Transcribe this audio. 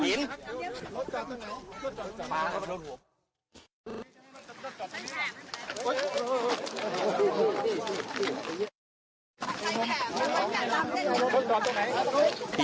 หินหินหินหินหินหิน